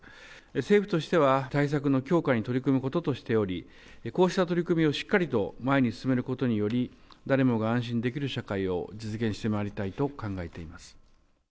政府としては対策の強化に取り組むこととしており、こうした取り組みをしっかりと前に進めることにより、誰もが安心できる社会を実現してまいりたいと考えています。